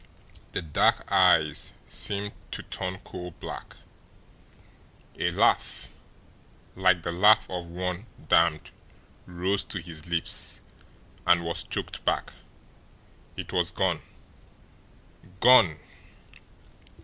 The dark eyes seemed to turn coal black. A laugh, like the laugh of one damned, rose to his lips, and was choked back. It was gone! GONE!